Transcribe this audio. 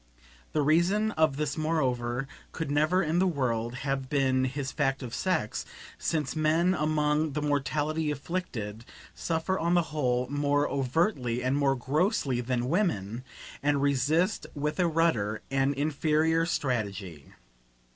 The reason of this moreover could never in the world have been his fact of sex; since men, among the mortally afflicted, suffer on the whole more overtly and more grossly than women, and resist with a ruder, an inferior strategy.